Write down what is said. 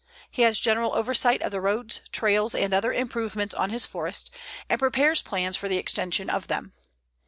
He has general oversight of the roads, trails, and other improvements on his forest; and prepares plans for the extension of them.